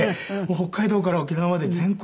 北海道から沖縄まで全国